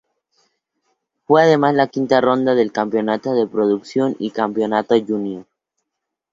Fue además la quinta ronda del campeonato de producción y del campeonato junior.